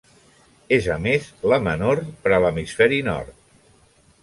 És a més la menor per a l'Hemisferi nord.